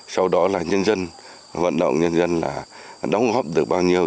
sau đó là nhân dân vận động nhân dân là đóng góp được bao nhiêu